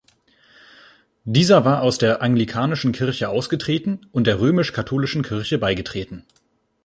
Dieser war aus der Anglikanischen Kirche ausgetreten und der Römisch-Katholischen Kirche beigetreten.